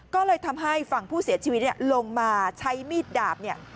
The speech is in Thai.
ก็เลยทำให้ฝั่งผู้เสียชีวิตลงมาใช้มีดดาบเนี่ย